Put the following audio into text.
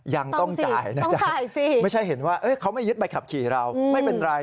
ยังต้องจ่ายนะจ๊ะไม่ใช่เห็นว่าเขาไม่ยึดใบขับขี่เราไม่เป็นไร